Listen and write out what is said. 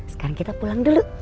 sekarang kita pulang dulu